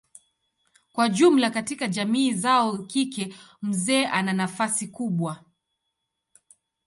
Kwa jumla katika jamii zao kike mzee ana nafasi kubwa.